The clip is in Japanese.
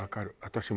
私も。